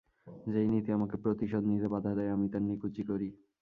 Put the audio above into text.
যেই নীতি আমাকে প্রতিশোধ নিতে বাধা দেয়, আমি তার নিকুচি করি।